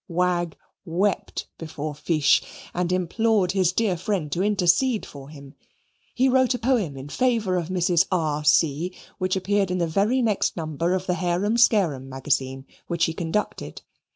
Wagg wept before Fiche and implored his dear friend to intercede for him. He wrote a poem in favour of Mrs. R. C., which appeared in the very next number of the Harum scarum Magazine, which he conducted.